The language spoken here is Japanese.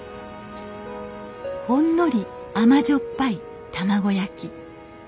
ほんのり甘塩っぱい卵焼き。